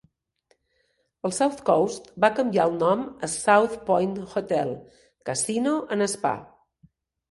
El South Coast va canviar el nom a South Point Hotel, Casino and Spa.